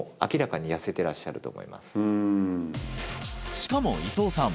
しかも伊藤さん